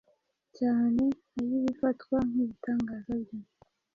cyane ay’ibifatwa nk’ibitangaza bye